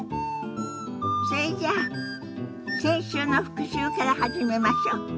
それじゃあ先週の復習から始めましょ。